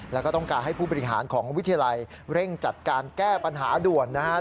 แล้วก็ต้องการให้ผู้บริหารของวิทยาลัยเร่งจัดการแก้ปัญหาด่วนนะครับ